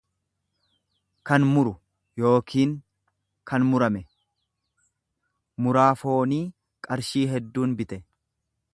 kan muru yookiin kan murame; Muraa foonii qarshii hedduun bite.